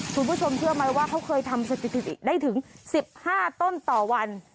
คุณผู้ชมเชื่อไหมว่าเขาเคยทำได้ถึงสิบห้าต้นต่อวัน